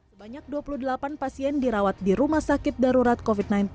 sebanyak dua puluh delapan pasien dirawat di rumah sakit darurat covid sembilan belas